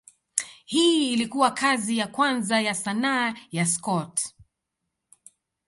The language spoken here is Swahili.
Hii ilikuwa kazi ya kwanza ya sanaa ya Scott.